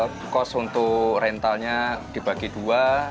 biar cost untuk rental nya dibagi dua